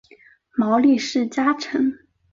毛利氏家臣。